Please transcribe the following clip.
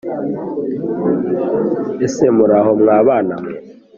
ese muraho mwa bana mwe